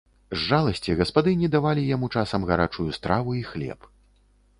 З жаласці гаспадыні давалі яму часам гарачую страву і хлеб.